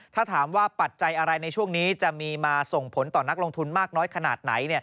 ถ้าถามว่าปัจจัยอะไรในช่วงนี้จะมีมาส่งผลต่อนักลงทุนมากน้อยขนาดไหน